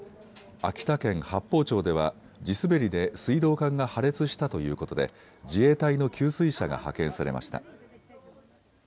秋田県八峰町では地滑りで水道管が破裂したということで自衛隊の給水車が派遣されました。